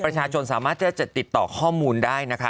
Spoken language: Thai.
ประชาชนสามารถที่จะติดต่อข้อมูลได้นะคะ